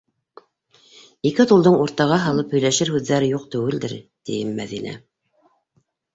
- Ике толдоң уртаға һалып һөйләшер һүҙҙәре юҡ түгелдер, тием, Мәҙинә.